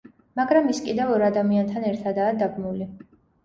მაგრამ ის კიდევ ორ ადამიანთან ერთადაა დაბმული.